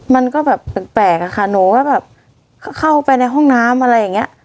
มันก็แบบแปลกอะค่ะหนูก็แบบเข้าไปในห้องน้ำอะไรอย่างนี้